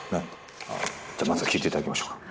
まずは聴いていただきましょうか。